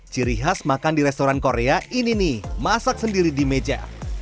ciri khas makan di restoran korea ini nih masak sendiri di meja